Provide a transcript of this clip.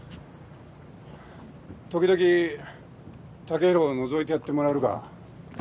時々剛洋をのぞいてやってもらえるか？